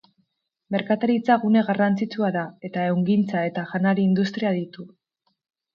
Merkataritza gune garrantzitsua da eta Ehungintza eta janari industria ditu.